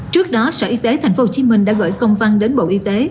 trước đó sở y tế tp hcm đã gửi công văn đến bộ y tế